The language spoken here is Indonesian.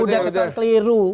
udah ketahuan keliru